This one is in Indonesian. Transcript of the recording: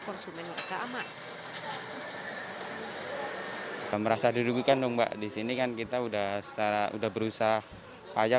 konsumen mereka aman merasa dirugikan dong mbak disini kan kita udah secara udah berusaha pajak